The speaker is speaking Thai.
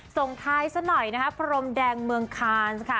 ส่งท้ายซะหน่อยนะคะพรมแดงเมืองคาน์ค่ะ